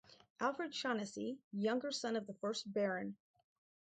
Alfred Shaughnessy, younger son of the first Baron.